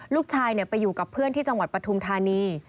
ลูกชายไปอยู่กับเพื่อนที่จังหวัดปฐุมธานี